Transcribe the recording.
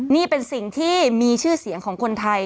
นี่เป็นสิ่งที่มีชื่อเสียงของคนไทย